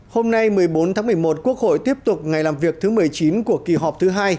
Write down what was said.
hôm nay một mươi bốn tháng một mươi một quốc hội tiếp tục ngày làm việc thứ một mươi chín của kỳ họp thứ hai